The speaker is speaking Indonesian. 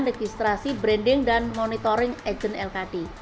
registrasi branding dan monitoring agent lkd